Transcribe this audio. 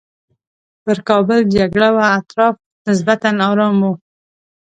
پر کابل جګړه وه اطراف نسبتاً ارام وو.